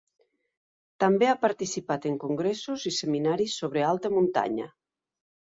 També ha participat en congressos i seminaris sobre alta muntanya.